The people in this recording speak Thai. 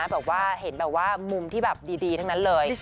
บอกว่าเห็นแบบว่ามุมที่แบบดีทั้งนั้นเลย